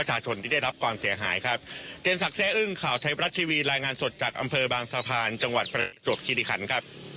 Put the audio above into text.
จังหวัดฝรั่งสวดคิดิคันครับ